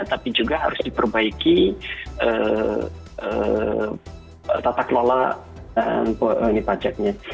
tapi juga harus diperbaiki tatak lala pajaknya